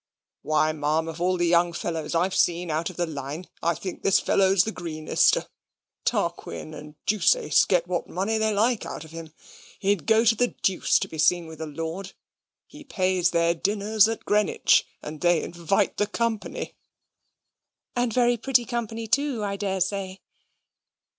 "Why, ma'am, of all the young fellows I've seen out of the line, I think this fellow's the greenest. Tarquin and Deuceace get what money they like out of him. He'd go to the deuce to be seen with a lord. He pays their dinners at Greenwich, and they invite the company." "And very pretty company too, I dare say."